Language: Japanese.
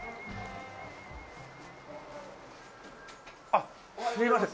あっすいません